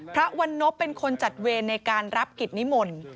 พระวันนพเป็นคนจัดเวรในการรับกิจนิมนต์